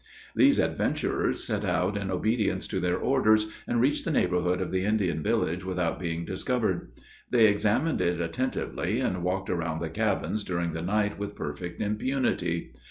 These adventurers set out in obedience to their orders, and reached the neighborhood of the Indian village without being discovered. They examined it attentively, and walked around the cabins during the night with perfect impunity.